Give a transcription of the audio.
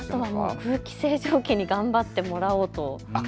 空気清浄機に頑張ってもらおうと。